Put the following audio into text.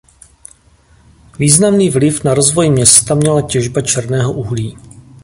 Významný vliv na rozvoj města měla těžba černého uhlí.